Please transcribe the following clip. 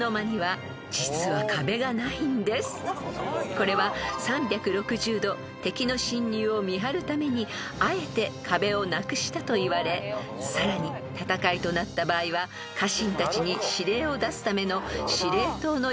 ［これは３６０度敵の侵入を見張るためにあえて壁をなくしたといわれさらに戦いとなった場合は家臣たちに指令を出すための司令塔の役割も担っていました］